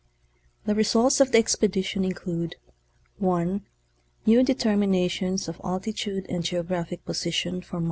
The results of the expedition include (1) new deter minations of altitude and geographic position for Mt.